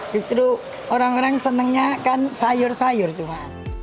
justru orang orang senangnya kan sayur sayur cuma